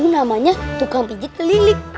namanya tukang pijit keliling